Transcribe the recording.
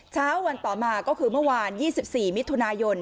เช้าวันต่อมาก็คือเมื่อวาน๒๔มิถุนายน